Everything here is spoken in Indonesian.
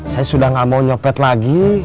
saya sudah gak mau nyopet lagi